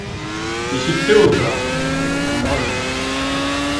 Ишетте ул ҡарт, аңланы.